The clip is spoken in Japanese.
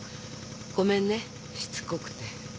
ごめんねしつこくて。